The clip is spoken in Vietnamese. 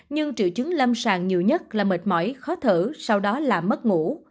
nhưng triệu chứng lâm sàng nhiều nhất là mệt mỏi khó thở sau đó là mất ngủ